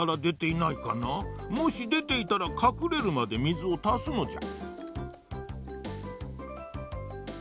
もしでていたらかくれるまでみずをたすのじゃ。